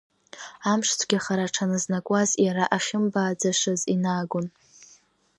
Амшцәгьахара аҽаназнакуаз, иара ахьымбааӡашаз инаагон.